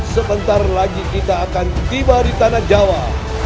sebentar lagi kita akan tiba di tanah jawa